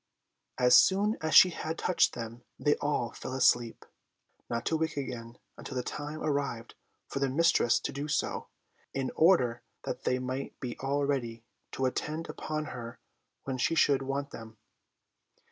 As soon as she had touched them, they all fell asleep, not to wake again until the time arrived for their mistress to do so, in order that they might be all ready to attend upon her when she should want them.